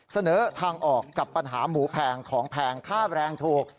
เสนอทางออกกับปัญหาหมูแพงของแพงค่าแรงถูก